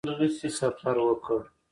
سفر وکړ.